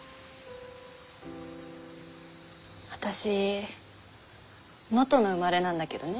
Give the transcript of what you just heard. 私能登の生まれなんだけどね。